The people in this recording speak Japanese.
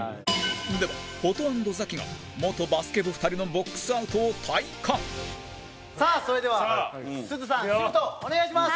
では、ホト＆ザキが元バスケ部２人のボックスアウトを体感田村：さあ、それでは、すずさんシュートをお願いします！